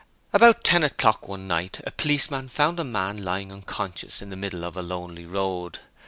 About ten o'clock one night a policeman found a man lying unconscious in the middle of a lonely road.